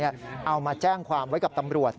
เอามาแจ้งความไว้กับตำรวจ